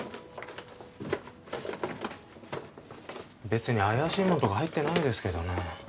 べつにあやしいもんとか入ってないですけどね。